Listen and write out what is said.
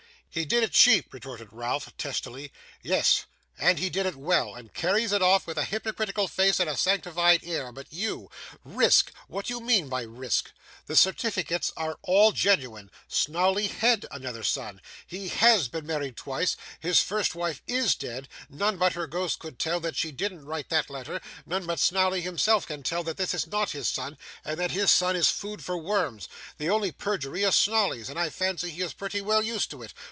'He did it cheap!' retorted Ralph, testily; 'yes, and he did it well, and carries it off with a hypocritical face and a sanctified air, but you! Risk! What do you mean by risk? The certificates are all genuine, Snawley HAD another son, he HAS been married twice, his first wife IS dead, none but her ghost could tell that she didn't write that letter, none but Snawley himself can tell that this is not his son, and that his son is food for worms! The only perjury is Snawley's, and I fancy he is pretty well used to it.